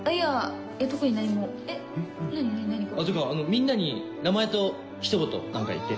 みんなに名前と一言何か言って。